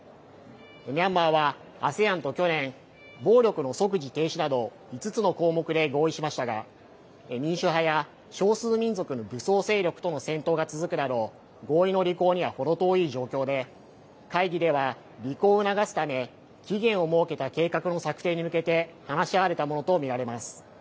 ミャンマーはＡＳＥＡＮと去年、暴力の即時停止など、５つの項目で合意しましたが、民主派や少数民族の武装勢力との戦闘が続くなど、合意の履行にはほど遠い状況で、会議では、履行を促すため、期限を設けた計画の策定に向けて、話し合われたものと見られます。